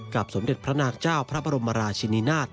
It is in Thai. สมเด็จพระนางเจ้าพระบรมราชินินาศ